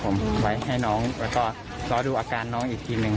ไม่ให้น้องร๋าดูอาการน้องอีกทีหนึ่ง